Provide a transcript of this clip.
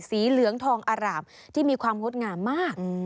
สีเหลืองทองอร่ามที่มีความงดงามมาก